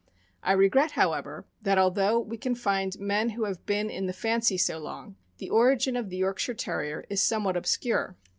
I regret, however, that, although we can find men who have been in the fancy so long, the origin of the Yorkshire Terrier is somewhat obscure.